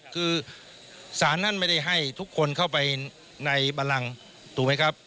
คือสารนั้นไม่ได้ให้ทุกคนเข้าไปในบันลังถูกไหมครับ